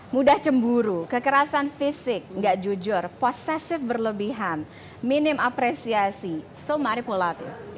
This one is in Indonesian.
mudah cemburu kekerasan fisik gak jujur posesif berlebihan minim apresiasi so maripulatif